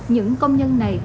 những công nhân này